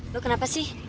lo kenapa sih